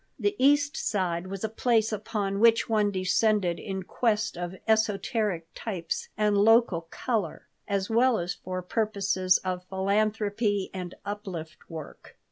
The East Side was a place upon which one descended in quest of esoteric types and "local color," as well as for purposes of philanthropy and "uplift" work.